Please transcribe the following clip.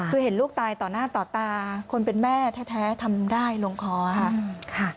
คือเห็นลูกตายต่อหน้าต่อตาคนเป็นแม่แท้ทำได้ลงคอค่ะ